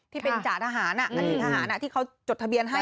ที่เป็นจ่าทหารที่เขาจดทะเบียนให้